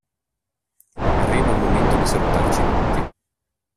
Arriva il momento di salutarci tutti.